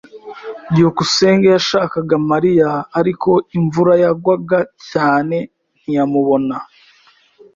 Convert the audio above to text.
byukusenge yashakaga Mariya, ariko imvura yagwaga cyane ntiyamubona.